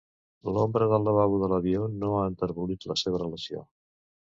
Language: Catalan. L'ombra del lavabo de l'avió no ha enterbolit la seva relació.